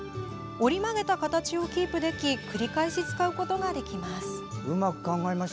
折り曲げた形をキープでき繰り返し使うことができます。